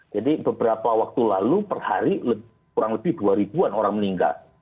jadi beberapa waktu lalu per hari kurang lebih dua ribu an orang meninggal